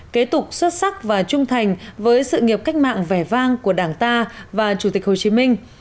kế tục xuất sắc và trung thành với sự nghiệp cách mạng vẻ vang của đảng ta và chủ tịch hồ chí minh